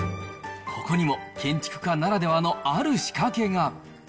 ここにも建築家ならではのある仕掛けが。